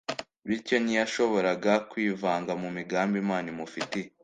bityo ntiyashoboraga kwivanga mu migambi Imana imufitiye.